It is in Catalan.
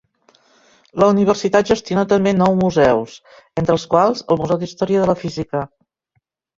La universitat gestiona també nou museus, entre els quals, el Museu d'Història de la Física.